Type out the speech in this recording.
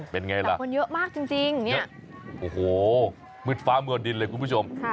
เป็นอย่างไรล่ะโอ้โหมืดฟ้าเมืองดินเลยคุณผู้ชม